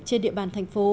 trên địa bàn thành phố